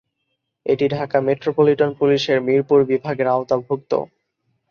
এটি ঢাকা মেট্রোপলিটন পুলিশের মিরপুর বিভাগের আওতাভুক্ত।